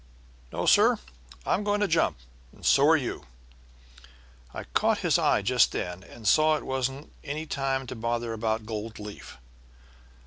"'No, sir; I'm going to jump, and so are you.' "I caught his eye just then and saw it wasn't any time to bother about gold leaf.